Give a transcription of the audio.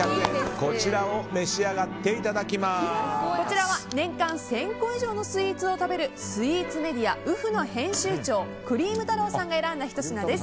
こちらは年間１０００個以上のスイーツを食べるスイーツメディア「ｕｆｕ．」の編集長クリーム太朗さんが選んだひと品です。